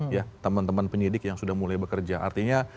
ya teman teman penyelidik yang sudah mulai bekerja